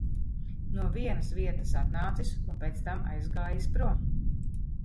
No vienas vietas atnācis un pēc tam aizgājis prom.